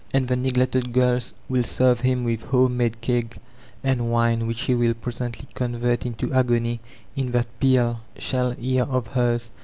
And the nq^lected girls will serve him widi home made cake and wine which he will presently convert into agony in that pearl shell ear of hers.